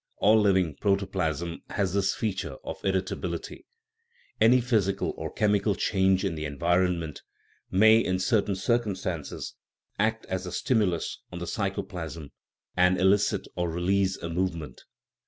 All living protoplasm has this feature of irritability. Any physical or chemical change in 112 PSYCHIC GRADATIONS the environment may, in certain circumstances, act as a stimulus on the psychoplasm, and elicit or " release " a movement.